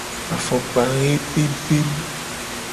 Afokpa he pempem.